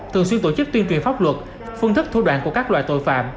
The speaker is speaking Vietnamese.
thường xuyên tổ chức tuyên truyền pháp luật phương thức thu đoạn của các loại tội phạm